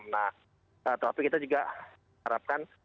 nah tapi kita juga